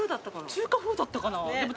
中華風だったかな？